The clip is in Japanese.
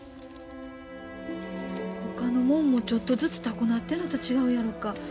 ほかのもんもちょっとずつ高うなってんのと違うやろか。